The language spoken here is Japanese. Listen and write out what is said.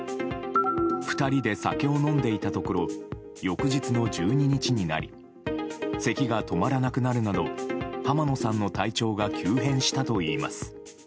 ２人で酒を飲んでいたところ翌日の１２日になりせきが止まらなくなるなど浜野さんの体調が急変したといいます。